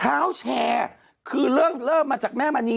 เท้าแชร์คือเริ่มมาจากแม่มณี